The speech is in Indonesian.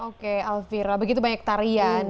oke alfira begitu banyak tarian